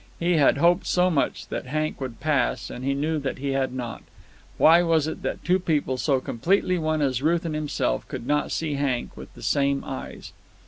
He had hoped so much that Hank would pass, and he knew that he had not. Why was it that two people so completely one as Ruth and himself could not see Hank with the same eyes?